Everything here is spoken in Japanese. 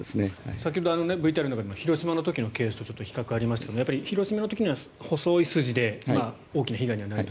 先ほどのＶＴＲの中でも広島の時との比較がありましたが広島の時には細い筋で大きな被害はないと。